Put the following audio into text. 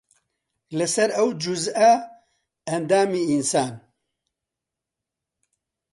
لەسەر ئەو جوزئە ئەندامی ئینسان